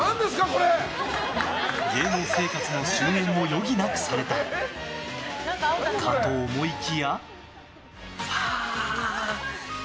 芸能生活の終焉を余儀なくされたかと思いきや。